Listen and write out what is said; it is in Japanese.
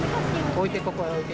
置いて、ここ置いて。